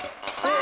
あ！